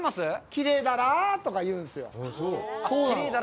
“きれいだら”とか言うんですね。